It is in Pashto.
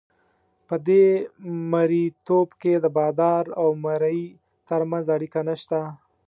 په دې مرییتوب کې د بادار او مریي ترمنځ اړیکه نشته.